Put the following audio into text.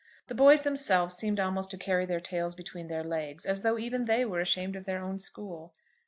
The boys themselves seemed almost to carry their tails between their legs, as though even they were ashamed of their own school.